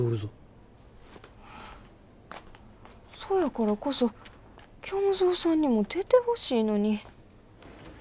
そやからこそ虚無蔵さんにも出てほしいのに。